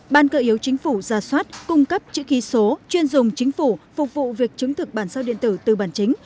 ban cờ yếu chính phủ ra soát cung cấp chữ ký số chuyên dùng chính phủ phục vụ việc chứng thực bản sao điện tử từ bản chính